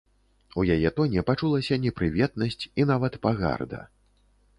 У яе тоне пачулася непрыветнасць і нават пагарда.